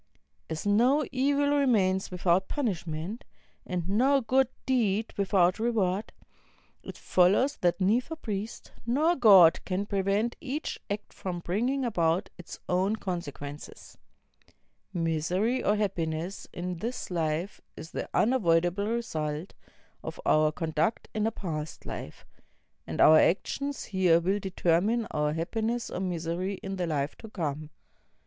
As no e\al remains without punishment, and no good deed without reward, it follows that neither priest nor God can prevent each act from bringing about its own consequences. IMisery or happiness in this life is the unavoidable result of our conduct in a past Hf e ; and our actions here will determine our happiness or miser\ in the Hfe to come.